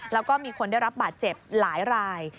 แล้วก็มีคนได้รับบาดเจ็บหลายราย